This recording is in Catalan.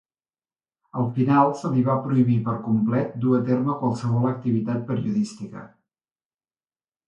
Al final se li va prohibir per complet dur a terme qualsevol activitat periodística.